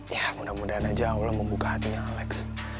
ya mudah mudahan aja allah membuka hatinya alex